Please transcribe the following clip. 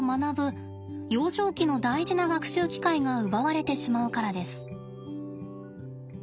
幼少期の大事な学習機会が奪われてしまうからです。